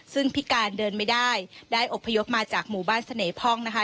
ซึ่งพิการเดินไม่ได้ได้อบพยพมาจากหมู่บ้านเสน่ห้องนะคะ